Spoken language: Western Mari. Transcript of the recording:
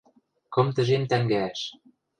— Кым тӹжем тӓнгӓӓш.